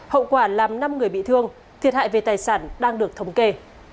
hậu quả làm năm người bị thương thiệt hại về tài sản đang được thống kê